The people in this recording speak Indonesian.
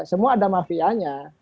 semua ada mafianya